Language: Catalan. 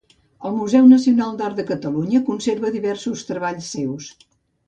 El Museu Nacional d'Art de Catalunya conserva diversos treballs seus.